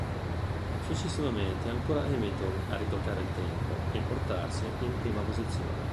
Successivamente è ancora Hamilton a ritoccare il tempo, e portarsi in prima posizione.